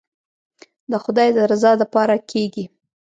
د خداى د رضا دپاره کېګي.